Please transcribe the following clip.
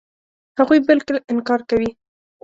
هغوی بالکل انکار کوي.